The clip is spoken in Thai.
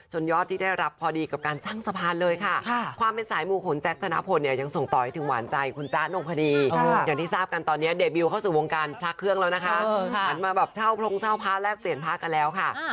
ชนยอดที่ได้รับพอดีกับการสร้างสะพานเลยค่ะ